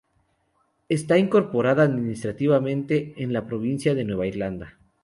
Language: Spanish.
Está incorporada administrativamente en la provincia de Nueva Irlanda.